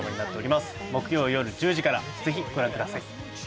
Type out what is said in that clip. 木曜夜１０時からぜひご覧ください。